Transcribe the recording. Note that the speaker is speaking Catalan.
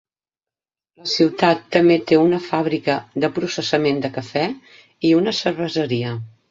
La ciutat també té una fàbrica de processament de cafè i una cerveseria.